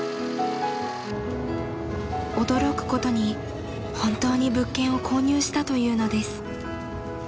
［驚くことに本当に物件を購入したというのです］